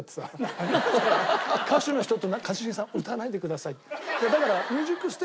歌手の人と一茂さん歌わないでくださいって。